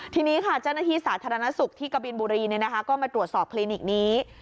ทีนี้ค่ะเจ้าหน้าที่สาธารณสุขที่กะบินบุรีก็มาตรวจสอบคลินิกนี้